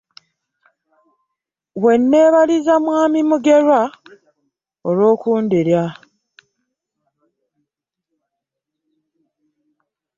We nneebaliza mwami Mugerwa olw'okundera.